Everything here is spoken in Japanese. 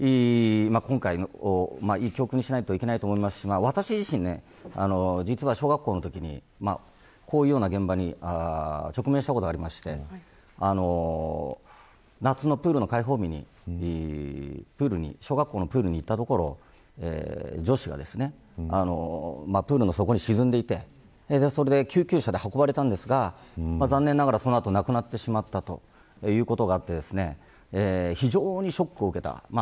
こういったところは非常に今回、教訓にしないといけないと思いますし私自身、小学校の時にこういうような現場に直面したことがあって夏のプールの開放日にプールに小学校のプールに行ったところ女子がプールの底に沈んでいて救急車で運ばれたんですが残念ながらその後亡くなってしまったということがあって非常にショックを受けた。